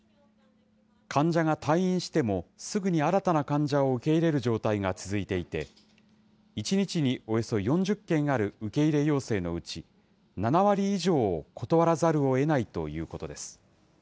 患者が退院しても、すぐに新たな患者を受け入れる状態が続いていて、１日におよそ４０件ある受け入れ要請のうち、７割以上を断らざるをえないということです。